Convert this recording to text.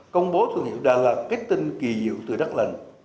công bố thương hiệu đà lạt kết tinh kỳ diệu từ đắk lần